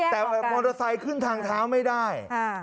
แต่มอเตอร์ไซค์ขึ้นทางเท้าไม่ได้